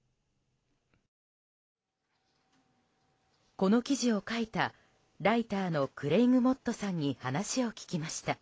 この記事を書いたライターのクレイグ・モッドさんに話を聞きました。